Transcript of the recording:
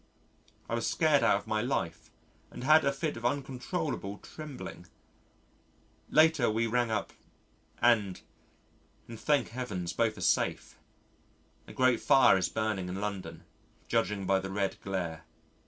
I was scared out of my life and had a fit of uncontrollable trembling. Later we rang up and , and thank Heavens both are safe. A great fire is burning in London, judging by the red glare.